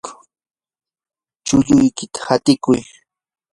chulluykita hatikuy.